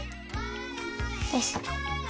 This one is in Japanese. よし。